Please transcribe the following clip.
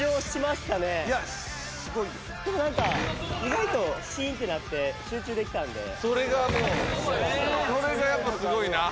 でもなんか意外とシーンってなってそれがもうそれがやっぱすごいな。